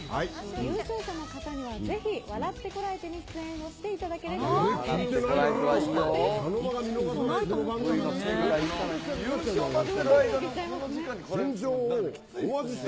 優勝者の方には、ぜひ笑ってコラえて！に出演をしていただければと思って。